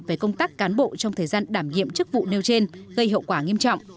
về công tác cán bộ trong thời gian đảm nhiệm chức vụ nêu trên gây hậu quả nghiêm trọng